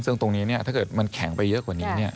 ซึ่งตรงนี้ถ้าเกิดมันแข็งไปเยอะกว่านี้